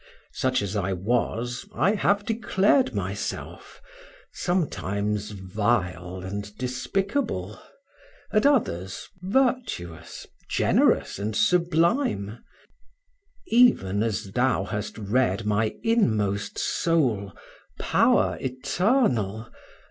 Such as I was, I have declared myself; sometimes vile and despicable, at others, virtuous, generous and sublime; even as thou hast read my inmost soul: Power eternal!